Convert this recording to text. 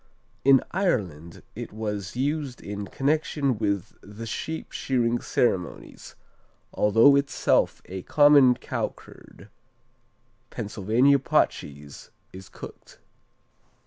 In Ireland it was used in connection with the sheep shearing ceremonies, although itself a common cow curd. Pennsylvania pot cheese is cooked.